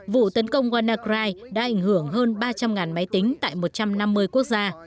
vụ tấn công wanakrai đã ảnh hưởng hơn ba trăm linh máy tính tại một trăm năm mươi quốc gia